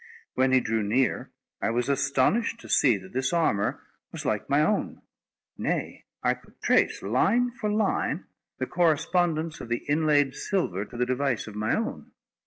When he drew near, I was astonished to see that this armour was like my own; nay, I could trace, line for line, the correspondence of the inlaid silver to the device on my own.